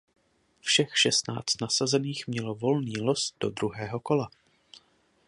Všech šestnáct nasazených mělo volný los do druhého kola.